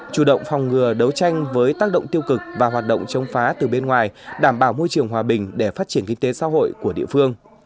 chủ động phòng ngừa đấu tranh với tác động tiêu cực và hoạt động chống phá từ bên ngoài đảm bảo môi trường hòa bình để phát triển kinh tế xã hội của địa phương